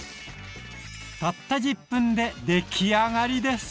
たった１０分で出来上がりです！